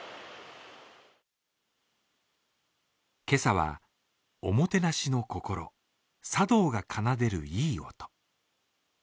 今朝はおもてなしの心茶道が奏でるいい音。